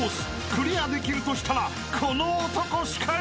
クリアできるとしたらこの男しかいない。